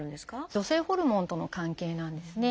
女性ホルモンとの関係なんですね。